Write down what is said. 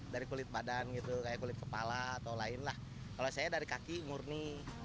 dari kulit badan gitu kayak kulit kepala atau lain lah kalau saya dari kaki murni